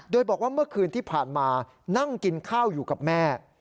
โดยบอกว่าเมื่อคืนที่ผ่านมานั่งกินข้าวอยู่กับแม่